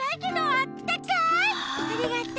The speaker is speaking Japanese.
ありがとう。